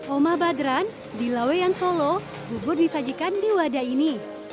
omah badran di laweyan solo bubur disajikan di wadah ini